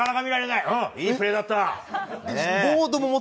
いいプレーだった。